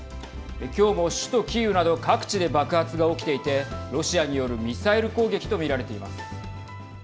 今日も首都キーウなど各地で爆発が起きていてロシアによるミサイル攻撃と見られています。